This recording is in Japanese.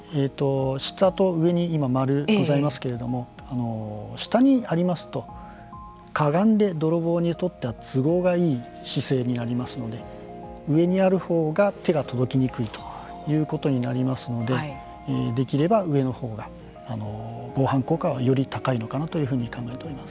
下と上に今丸がございますけれども下にありますとかがんで、泥棒にとっては都合がいい姿勢になりますので上にある方が手が届きにくいということになりますのでできれば、上のほうが防犯効果はより高いのかなというふうに考えております。